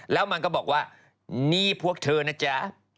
แล้วมันก็บอกว่านี่พวกเธอนะจ๊ะ